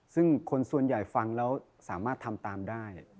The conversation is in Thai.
ซึ่งคนส่วนใหญ่ฟังแล้วสามารถทำตามได้